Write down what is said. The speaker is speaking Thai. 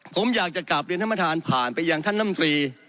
ผมอยากจะกราบเรียนทะมธานผ่านไปอย่างท่านน้่ำตรี